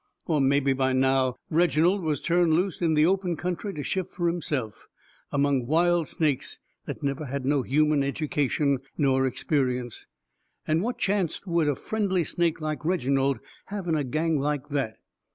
Or mebby by now Reginald was turned loose in the open country to shift fur himself, among wild snakes that never had no human education nor experience; and what chancet would a friendly snake like Reginald have in a gang like that?